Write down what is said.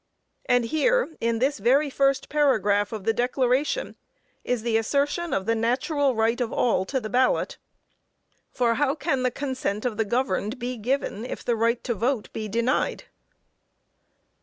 And here, in this very first paragraph of the declaration, is the assertion of the natural right of all to the ballot; for, how can "the consent of the governed" be given, if the right to vote be denied.